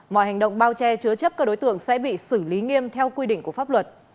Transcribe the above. mọi hành động bao che chứa chấp các đối tượng sẽ bị xử lý nghiêm theo quy định của pháp luật